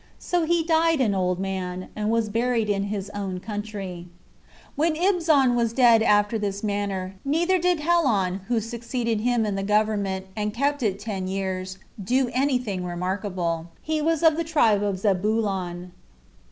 So he died an old man, and was buried in his own country. 14. When Ibzan was dead after this manner, neither did Helon, who succeeded him in the government, and kept it ten years, do any thing remarkable: he was of the tribe of Zebulon.